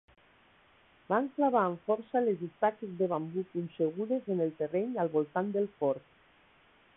Van clavar amb força les estaques de bambú punxegudes en el terreny al voltant del fort.